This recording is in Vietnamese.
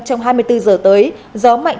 trong hai mươi bốn giờ tới gió mạnh